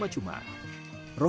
tapi sebenarnya itu apa